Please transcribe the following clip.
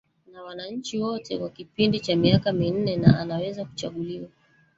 na wananchi wote kwa kipindi cha miaka minne na anaweza kuchaguliwa